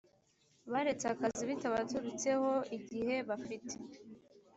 baretse akazi bitabaturutseho igihe bafite